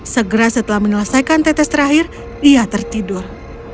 segera setelah menyelesaikan tetes terakhir ia tertidur